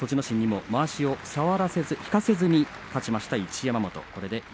心にもまわしを触らせずに引かせずに勝ちました一山本。